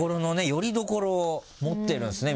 よりどころを持ってるんですね